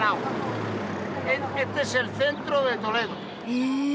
へえ。